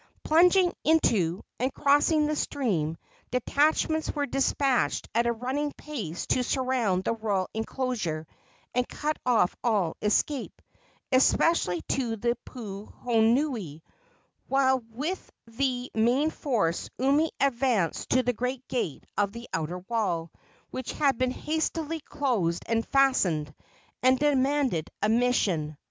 Plunging into and crossing the stream, detachments were despatched at a running pace to surround the royal enclosure and cut off all escape, especially to the puhonui, while with the main force Umi advanced to the great gate of the outer wall, which had been hastily closed and fastened, and demanded admission.